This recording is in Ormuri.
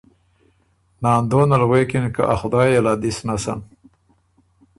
ناندونه ال غوېکِن که ا خدای ال ا دِس نسن۔